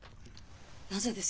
なぜです？